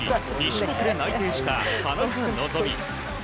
２種目で内定した田中希実。